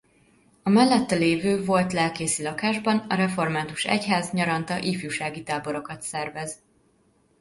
A mellette lévő volt lelkészi lakásban a református egyház nyaranta ifjúsági táborokat szervez.